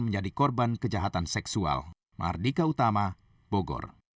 pelaku diancam pasal berlapis